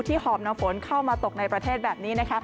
ที่หอมหนาวฝนเข้ามาตกในประเทศแบบนี้